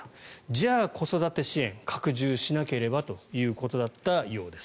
じゃあ、子育て支援拡充しなければということだったようです。